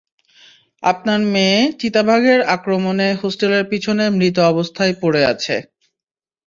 আপনার মেয়ে চিতাবাঘের আক্রমণে হোস্টেলের পিছনে মৃত অবস্থায় পড়ে আছে।